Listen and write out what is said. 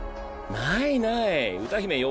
ないない。